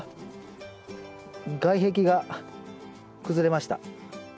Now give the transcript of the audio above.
外壁が崩れました。